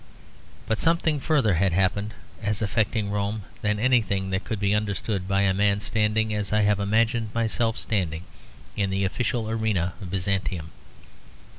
But something further had happened as affecting Rome than anything that could be understood by a man standing as I have imagined myself standing, in the official area of Byzantium.